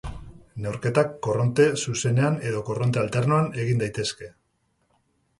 Neurketak korronte zuzenean edo korronte alternoan egin daitezke.